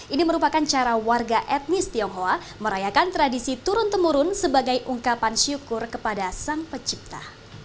ini merupakan cara warga etnis tionghoa merayakan tradisi turun temurun sebagai ungkapan syukur kepada sang pencipta